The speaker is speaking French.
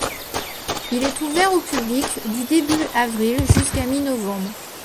Il est ouvert au public du début avril jusqu'à mi-novembre.